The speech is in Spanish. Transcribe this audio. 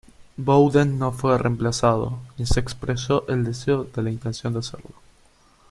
Bowden no fue reemplazado ni se expresó el deseo de la intención de hacerlo.